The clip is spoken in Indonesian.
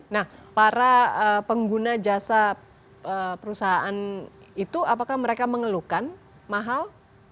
nah para pengguna jasa perusahaan itu apakah mereka mengeluhkan mahal